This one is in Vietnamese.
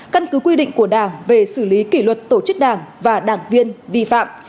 căn cứ quy định của đảng về xử lý kỷ luật tổ chức đảng và đảng viên vi phạm